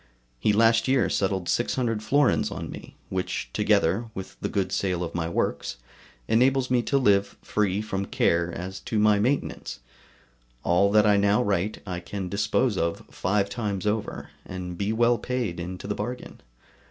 He last year settled 600 florins on me, which, together with the good sale of my works, enables me to live free from care as to my maintenance. All that I now write I can dispose of five times over, and be well paid into the bargain.